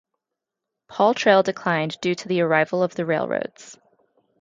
Paul Trail declined due to the arrival of the railroads.